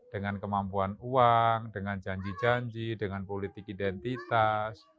dengan kemampuan uang dengan janji janji dengan politik identitas